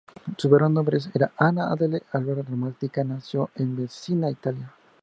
Su verdadero nombre era Anna Adele Alberta Gramatica, y nació en Mesina, Italia.